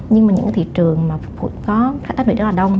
nhưng mà những thị trường mà phục vụ có khách rất là đông